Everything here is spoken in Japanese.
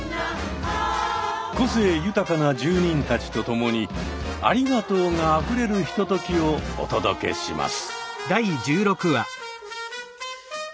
個性豊かな住人たちと共に「ありがとう」があふれるひとときをお届けします。